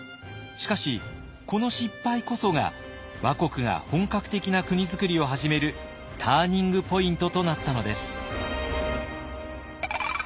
しかしこの失敗こそが倭国が本格的な国づくりを始めるターニングポイントとなったのです。